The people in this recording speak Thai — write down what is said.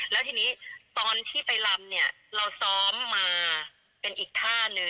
แล้วทีนี้ตอนที่ไปลำเนี่ยเราซ้อมมาเป็นอีกท่านึง